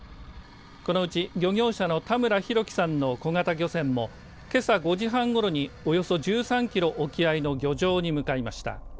このうち漁業者の田村裕樹さんの小型漁船もけさ５時半ごろにおよそ１３キロ沖合の漁場に向かいました。